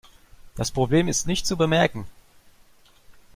Das Problem ist nicht zu bemerken.